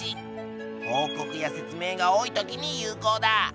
報告や説明が多い時に有効だ。